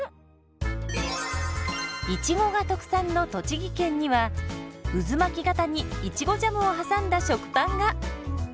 いちごが特産の栃木県には渦巻き型にいちごジャムを挟んだ食パンが！